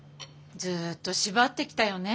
ずっと縛ってきたよね